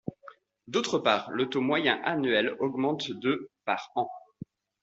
D'autre part, le taux moyen annuel augmente de par an.